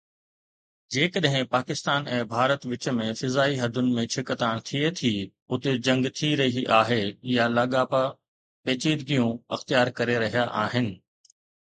جيڪڏهن پاڪستان ۽ ڀارت وچ ۾ فضائي حدن ۾ ڇڪتاڻ ٿئي ٿي، اتي جنگ ٿي رهي آهي يا لاڳاپا پيچيدگيون اختيار ڪري رهيا آهن